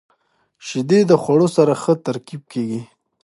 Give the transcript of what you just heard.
• شیدې د خوړو سره ښه ترکیب کیږي.